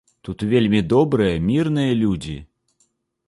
Тут вельмі добрыя мірныя людзі.